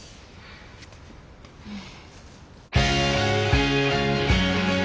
うん。